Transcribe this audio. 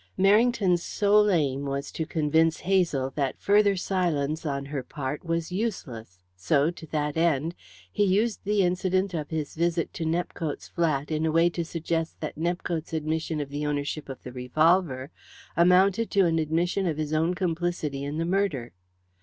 Merrington's sole aim was to convince Hazel that further silence on her part was useless, so, to that end, he used the incident of his visit to Nepcote's flat in a way to suggest that Nepcote's admission of the ownership of the revolver amounted to an admission of his own complicity in the murder.